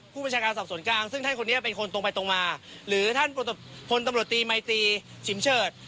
ผู้บัญชาการสอบสวนกลางซึ่งท่านคนนี้เป็นคนตรงไปตรงมาหรือท่านพลตำรวจตีมัยตีฉิมเฉิด